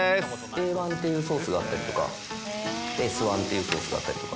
Ａー１っていうソースがあったりとか、Ｓー１っていうソースだったりとか。